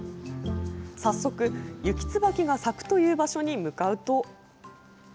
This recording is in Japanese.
早速、ユキツバキが咲くという場所に向かうと。